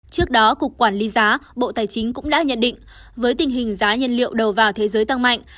trước đó cục quản lý giá bộ tài chính cũng đã nhận định với tình hình giá nhân liệu đầu vào thế giới tăng mạnh